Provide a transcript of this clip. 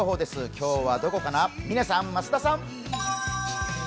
今日はどこかな、嶺さん、増田さん。